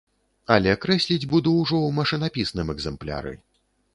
Але крэсліць буду ўжо ў машынапісным экзэмпляры.